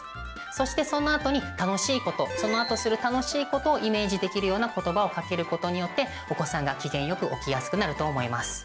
そしてそのあとに楽しいことそのあとする楽しいことをイメージできるような言葉をかけることによってお子さんが機嫌よく起きやすくなると思います。